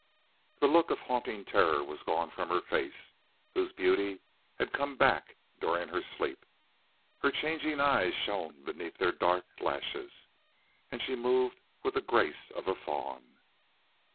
The look of haunting terror was gone from her face, whose beauty had come back during her sleep; her changing eyes shone beneath their dark lashes, and she moved with the grace of a fawn.